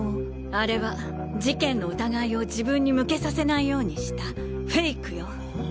あれは事件の疑いを自分に向けさせないようにしたフェイクよ！